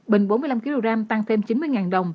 bình bốn mươi năm kg tăng thêm chín mươi đồng